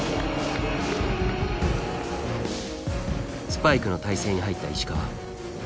スパイクの体勢に入った石川。